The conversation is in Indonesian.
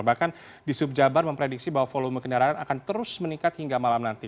bahkan di subjabar memprediksi bahwa volume kendaraan akan terus meningkat hingga malam nanti